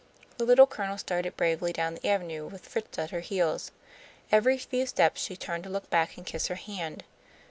The Little Colonel started bravely down the avenue, with Fritz at her heels. Every few steps she turned to look back and kiss her hand.